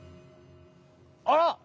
あら！